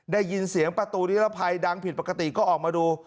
ได้ยินเสียงประตูนิรภัยดังผิดปกติก็ออกมาดู